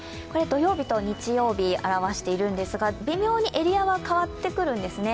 土曜日と日曜日を表しているんですが、微妙にエリアは変わってくるんですね。